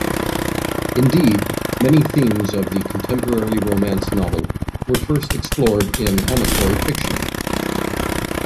Indeed, many themes of the contemporary romance novel were first explored in amatory fiction.